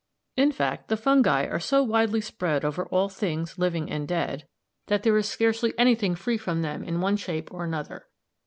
] "In fact, the fungi are so widely spread over all things living and dead, that there is scarcely anything free from them in one shape or another.